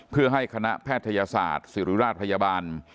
เพื่อให้คณะแพทยศาสตร์ศิริราชพยาบาล